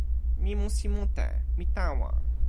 mi musi mute. mi tawa.